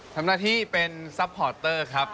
ทำหน้าที่เป็นซัพพอร์ตเตอร์ครับ